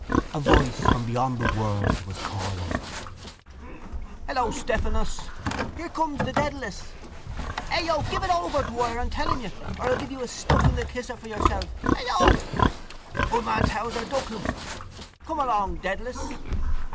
A voice from beyond the world was calling. —Hello, Stephanos! —Here comes The Dedalus! —Ao!... Eh, give it over, Dwyer, I'm telling you, or I'll give you a stuff in the kisser for yourself.... Ao! —Good man, Towser! Duck him! —Come along, Dedalus!